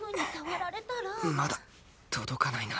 まだ届かないな